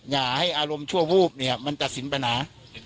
อย่าให้อารมณ์ชั่ววูบเนี่ยมันตัดสินปัญหา